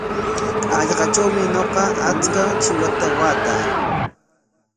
Hallqatrawmi ñuqa achka chiwata waataa.